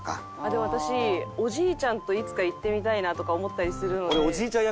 でも私おじいちゃんといつか行ってみたいなとか思ったりするので。